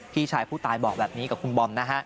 พี่ชายผู้ตายบอกแบบนี้กับคุณบอมนะฮะ